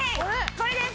これです！